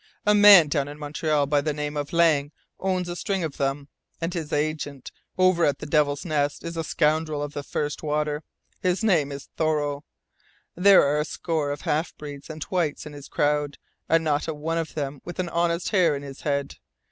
A man down in Montreal by the name of Lang owns a string of them, and his agent over at the Devil's Nest is a scoundrel of the first water. His name is Thoreau. There are a score of half breeds and whites in his crowd, and not a one of them with an honest hair in his head.